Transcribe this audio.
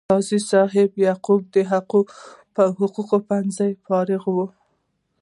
قاضي صاحب یعقوب د حقوقو پوهنځي فارغ و.